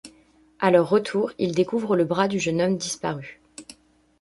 À leur retour, ils découvrent le bras du jeune homme disparu.